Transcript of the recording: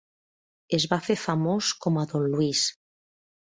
Es va fer famós com a Don Luís.